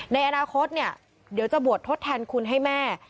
ในอนาคตเดี๋ยวจะบวชโทษแทนคุณให้แม่